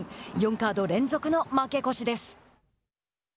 ４カード連続の負け越しです。